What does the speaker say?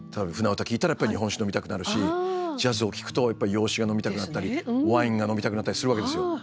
聴いたらやっぱり日本酒飲みたくなるしジャズを聴くとやっぱり洋酒が飲みたくなったりワインが飲みたくなったりするわけですよ。